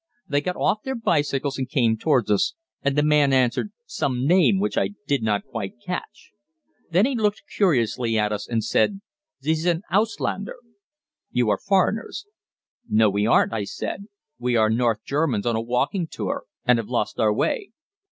They got off their bicycles and came towards us, and the man answered some name which I did not quite catch. Then he looked curiously at us and said: "Sie sind Ausländer" (You are foreigners). "No, we aren't," I said; "we are North Germans on a walking tour and have lost our way."